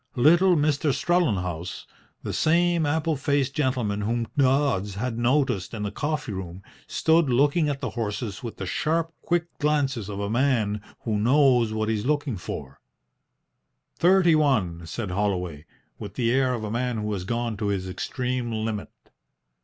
Little Mr. Strellenhaus, the same apple faced gentleman whom Dodds had noticed in the coffee room, stood looking at the horses with the sharp, quick glances of a man who knows what he is looking for. "Thirty one," said Holloway, with the air of a man who has gone to his extreme limit.